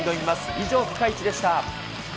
以上、ピカイチでした。